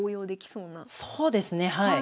そうですねはい。